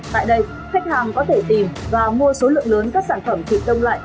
tại đây khách hàng có thể tìm và mua số lượng lớn các sản phẩm thịt đông lạnh